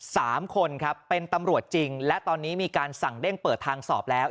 สามคนครับเป็นตำรวจจริงและตอนนี้มีการสั่งเด้งเปิดทางสอบแล้ว